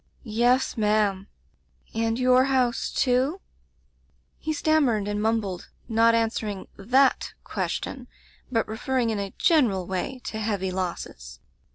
"'Yes, ma'am/ "'And your house, too?* "He stanmiered and mumbled, not an swering that question, but referring in a general way to heavy losses.